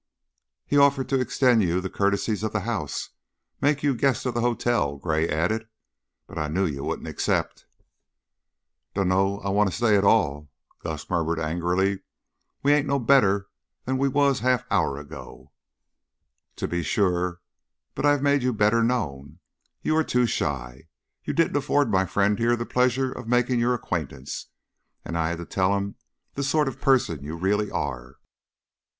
"He offered to extend you the courtesies of the house make you guests of the hotel," Gray added, "but I knew you wouldn't accept." "Dunno's I want to stay at all," Gus murmured, angrily. "We ain't no better'n we was a half hour ago." "To be sure, but I've made you better known. You are too shy; you didn't afford my friend here the pleasure of making your acquaintance, and I had to tell him the sort of person you really are.